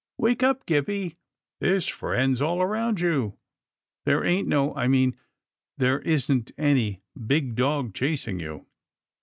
Wake up, Gippie. There's friends all round you. There ain't no — I mean there isn't any — big dog chasing you."